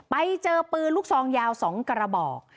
ไปเจอปืนลูกซองยาว๒กระบอก